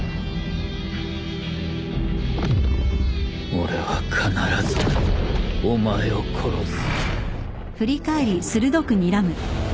俺は必ずお前を殺す。